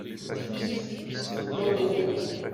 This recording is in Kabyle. D times seddaw walim.